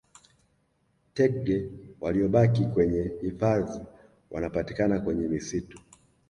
Tdege waliyobaki kwenye hifadhi wanapatikana kwenye misitu